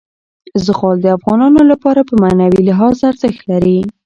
زغال د افغانانو لپاره په معنوي لحاظ ارزښت لري.